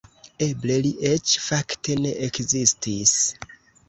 Eble li eĉ fakte ne ekzistis.